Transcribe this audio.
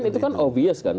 tapi kan itu kan obvious kan